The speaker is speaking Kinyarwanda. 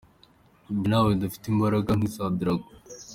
Njye nawe dufite imbaraga nk’iza dragon.